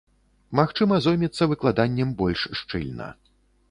Магчыма, зоймецца выкладаннем больш шчыльна.